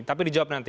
tapi dijawab nanti